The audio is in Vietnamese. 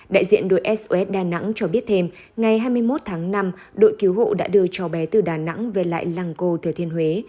đại diện đội sos đà nẵng cho biết thêm ngày hai mươi một tháng năm đội cứu hộ đã đưa cho bé từ đà nẵng về lại làng cô thừa thiên huế